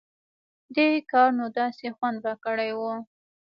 دې کار نو داسې خوند راکړى و.